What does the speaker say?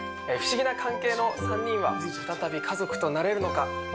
不思議な関係の３人は再び家族となれるのか？